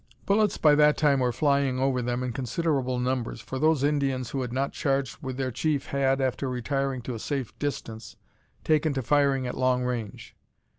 Bullets were by that time flying over them in considerable numbers, for those Indians who had not charged with their chief had, after retiring to a safe distance, taken to firing at long range.